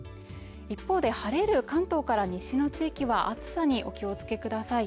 一方で晴れる関東から西の地域は暑さにお気をつけください。